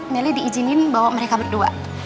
meli diizinin bawa mereka berdua